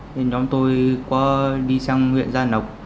nên nhóm tôi đi sang huyện gia lộc